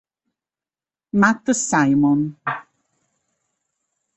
Matt Simon